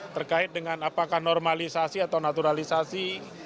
terkait dengan apakah normalisasi atau naturalisasi